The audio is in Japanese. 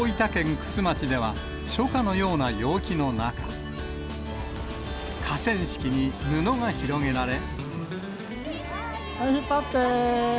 玖珠町では、初夏のような陽気の中、引っ張ってー。